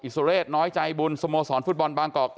สุเรศน้อยใจบุญสโมสรฟุตบอลบางกอก